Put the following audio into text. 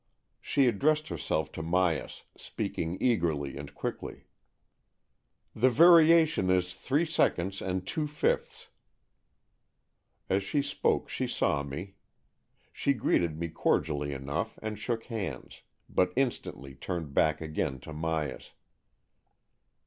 She addressed herself to Myas, speaking eagerly and quickly :" The variation is three seconds and two fifths." 70 AN^EXCHANGE OF SOULS As she spoke she saw me. She greeted me cordially enough, and shook hands, but instantly turned back again to Myas.